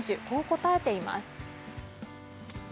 こう答えています。